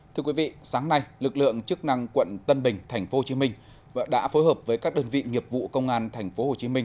thưa quý vị sáng nay lực lượng chức năng quận tân bình tp hcm đã phối hợp với các đơn vị nghiệp vụ công an tp hcm